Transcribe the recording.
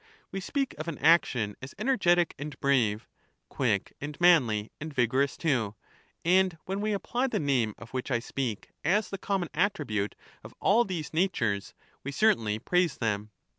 We speak of an action as energetic and brave, quick and manly, and vigorous too ; and when we apply the name of which I speak as the common attribute of all these natures, we certainly praise them.